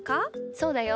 そうだよ。